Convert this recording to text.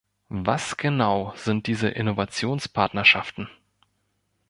Was genau sind diese Innovationspartnerschaften?